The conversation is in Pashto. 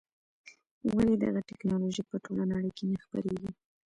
ولې دغه ټکنالوژي په ټوله نړۍ کې نه خپرېږي.